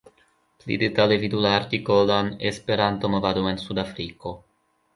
Pli detale vidu la artikolon "Esperanto-movado en Sud-Afriko".